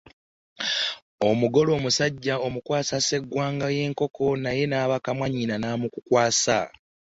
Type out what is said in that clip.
Omugole omusajja amukwasa sseggwanga y’enkoko naye n’abaka mwannyina n’amumukwasa.